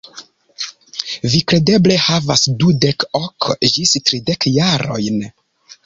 Vi kredeble havas dudek ok ĝis tridek jarojn.